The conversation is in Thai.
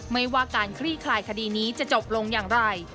ไม่ว่าการคลี่คลายคดีนี้จะจบลงอย่างไร